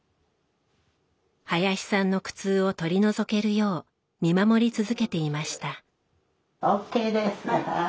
林さんの苦痛を取り除けるよう見守り続けていました。